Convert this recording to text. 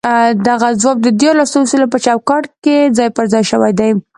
دغه ځواب د ديارلسو اصولو په چوکاټ کې ځای پر ځای شوی دی.